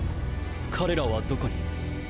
彼らはどこに？